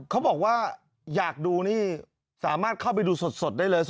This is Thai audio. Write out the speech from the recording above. เขาบอกว่าอยากดูนี่สามารถเข้าไปดูสดได้เลย